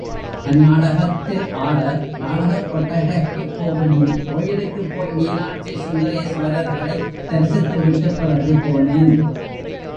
அந் நாடகத்தில் ஆட நாடகக் கொட்டகைக்குப் போகுமுன், கோயிலுக்குப் போய் மீனாட்சி சுந்தரேஸ்வரர்களைத் தரிசித்துவிட்டுப் பிறகு போனேன்.